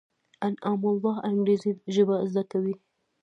انعام الله انګرېزي ژبه زده کوي.